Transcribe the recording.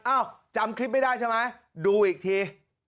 จำคลิปไม่ได้ใช่ไหมดูอีกที